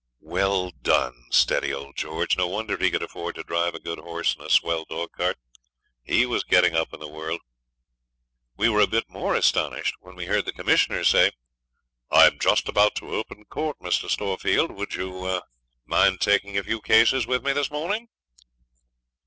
Well done, steady old George! No wonder he could afford to drive a good horse and a swell dogcart. He was getting up in the world. We were a bit more astonished when we heard the Commissioner say 'I am just about to open court, Mr. Storefield. Would you mind taking a few cases with me this morning?'